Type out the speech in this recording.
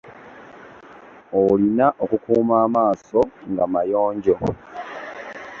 Olina okukuuma amaaso nga mayonjo.